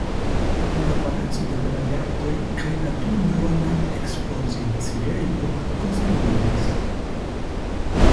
La "palaco de belaj artoj" kaj la duonronda ekspoziciejo konserviĝis.